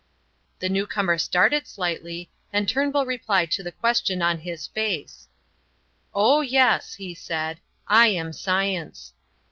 The new comer started slightly, and Turnbull replied to the question on his face. "Oh, yes," he said, "I am science!"